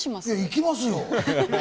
行きますよ！